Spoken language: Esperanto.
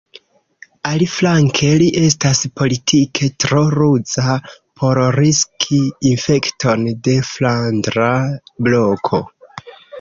Aliflanke, li estas politike tro ruza por riski infekton de Flandra Bloko.